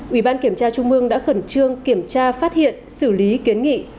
ủy ban kiểm tra trung mương đã khẩn trương kiểm tra phát hiện xử lý kiến nghị